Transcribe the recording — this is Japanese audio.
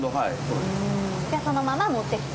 じゃあそのまま持ってきた？